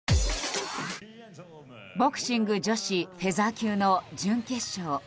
ボクシング女子フェザー級の準決勝。